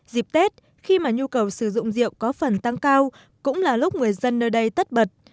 dịp tết khi mà nhu cầu sử dụng rượu có phần tăng cao cũng là lúc người dân nơi đây tất bật